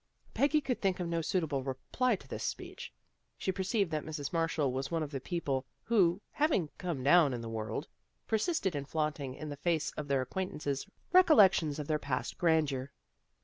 Peggy could think of no suitable reply to this speech. She perceived that Mrs. Marshall was one of the people who, having " come down in the world," persist in flaunting in the face of their acquaintances recollections of their past grandeur.